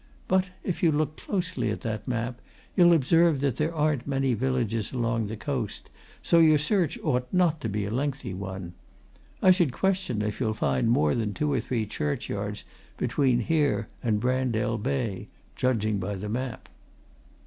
"But if you look closely at that map, you'll observe that there aren't many villages along the coast, so your search ought not to be a lengthy one. I should question if you'll find more than two or three churchyards between here and Brandell Bay judging by the map."